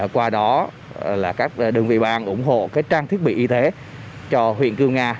qua đó là các đơn vị bạn ủng hộ cái trang thiết bị y tế cho huyện cư mở ga